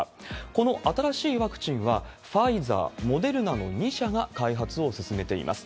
この新しいワクチンは、ファイザー、モデルナの２社が開発を進めています。